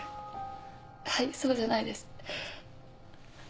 はいそうじゃないです。